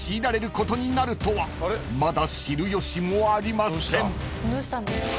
［まだ知る由もありません］